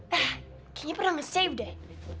kayaknya pernah nge save deh